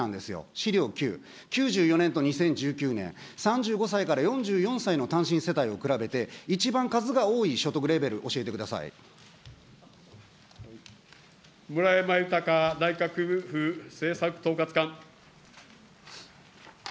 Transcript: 資料９、９４年と２０１９年、３５歳から４４歳の単身世帯を比べて、一番数が多い所得レベル、教村山裕内閣府政策統括官。